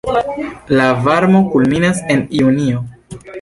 La varmo kulminas en junio.